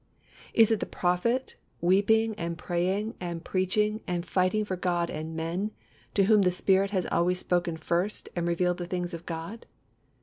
Is it the prophet, weeping and praying and preaching and fighting for God and men, to whom the Spirit has always first spoken and revealed the things of God?